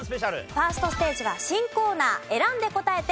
ファーストステージは新コーナー選んで答えて！